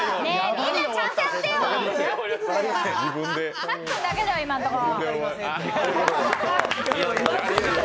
みんなちゃんとやってよ、さっくんだけだよ、今のところ。